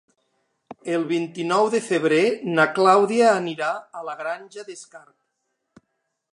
El vint-i-nou de febrer na Clàudia anirà a la Granja d'Escarp.